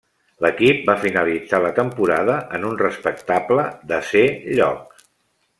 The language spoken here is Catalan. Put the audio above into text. L'equip va finalitzar la temporada en un respectable desè lloc.